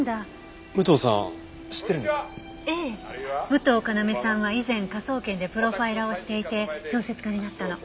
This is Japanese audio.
武藤要さんは以前科捜研でプロファイラーをしていて小説家になったの。